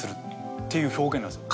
っていう表現なんすよ